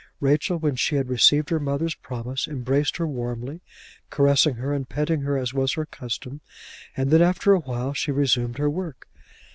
Rachel, when she had received her mother's promise, embraced her warmly, caressing her and petting her as was her custom, and then after a while she resumed her work.